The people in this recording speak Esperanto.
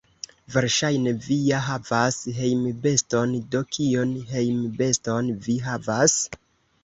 Versaĵne vi ja havas hejmbeston, do kion hejmbeston vi havas?